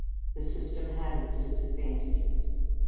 The system had its disadvantages.